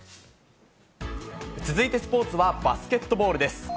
続いてスポーツはバスケットボールです。